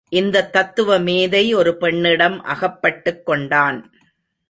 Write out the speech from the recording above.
இந்தத் தத்துவ மேதை ஒரு பெண்ணிடம் அகப்பட்டுக் கொண்டான்.